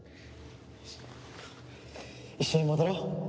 一緒に戻ろう。